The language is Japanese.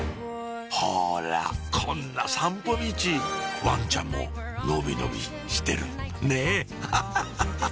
ほらこんな散歩ミチワンちゃんも伸び伸びしてるねぇハハハハ！